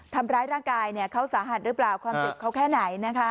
ทำร้ายร่างกายเขาสาหัสหรือเปล่าความเจ็บเขาแค่ไหนนะคะ